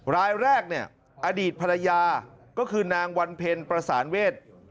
รายแรกเนี่ยอดีตภรรยาก็คือนางวันเพ็ญประสานเวท